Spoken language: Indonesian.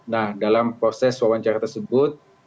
nah dalam proses wawancara tersebut